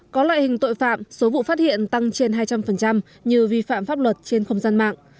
có loại hình tội phạm số vụ phát hiện tăng trên hai trăm linh như vi phạm pháp luật trên không gian mạng